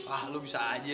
ah lu bisa aja